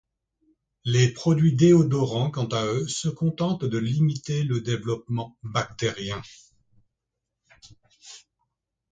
Les produits déodorants, quant à eux, se contentent de limiter le développement bactérien.